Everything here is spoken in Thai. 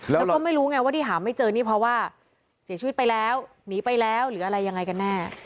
แล้วก็ไม่รู้ไงว่าที่หาไม่เจอนี่เพราะว่าเสียชีวิตไปแล้วหนีไปแล้วหรืออะไรยังไงกันแน่